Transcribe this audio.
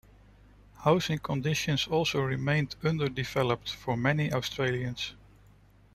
Housing conditions also remained underdeveloped for many Australians.